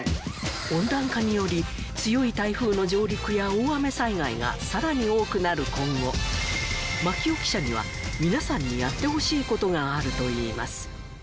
温暖化により強い台風の上陸や大雨災害がさらに多くなる今後牧尾記者には皆さんにやってほしいことがあるといいます